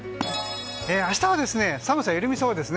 明日は寒さ、緩みそうですね。